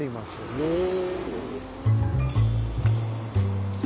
へえ。